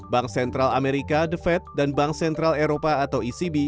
bank sentral amerika the fed dan bank sentral eropa atau ecb